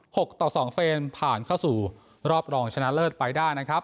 กต่อสองเฟนผ่านเข้าสู่รอบรองชนะเลิศไปได้นะครับ